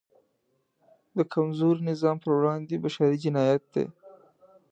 د کمزوري نظام پر وړاندې بشری جنایت دی.